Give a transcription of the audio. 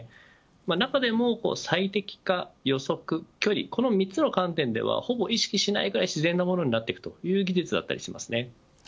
中でも最適化、予測、距離この３つの観点ではほぼ意識しないくらい自然なものになっている技術です。